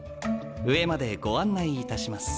上までご案内いたします。